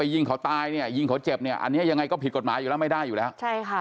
ยิงเขาเจ็บเนี่ยอันนี้ยังไงก็ผิดกฎหมายไม่ได้อยู่แล้ว